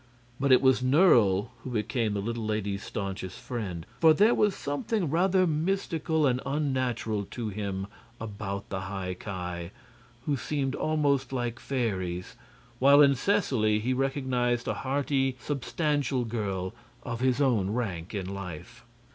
But it was Nerle who became the little lady's staunchest friend; for there was something rather mystical and unnatural to him about the High Ki, who seemed almost like fairies, while in Seseley he recognized a hearty, substantial girl of his own rank in life.